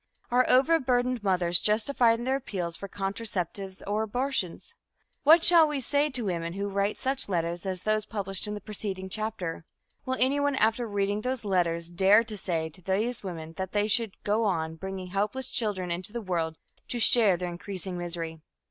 Are overburdened mothers justified in their appeals for contraceptives or abortions? What shall we say to women who write such letters as those published in the preceding chapter? Will anyone, after reading those letters, dare to say to these women that they should go on bringing helpless children into the world to share their increasing misery?